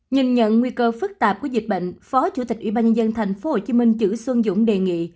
nhìn nhận nguy cơ phức tạp của dịch bệnh phó chủ tịch ủy ban nhân dân tp hcm chử xuân dũng đề nghị